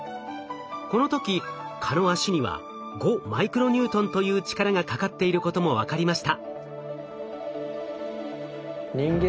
この時蚊の脚には５マイクロニュートンという力がかかっていることも分かりました。